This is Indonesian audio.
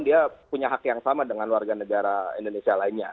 dia punya hak yang sama dengan warga negara indonesia lainnya